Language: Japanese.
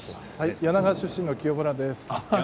柳川出身の清村です。